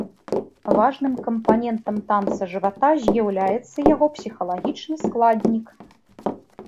Важным кампанентам танца жывата з'яўляецца яго псіхалагічны складнік.